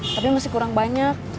tapi masih kurang banyak